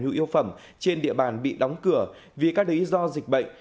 nhu yếu phẩm trên địa bàn bị đóng cửa vì các lý do dịch bệnh